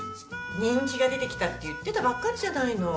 人気が出て来たって言ってたばかりじゃないの。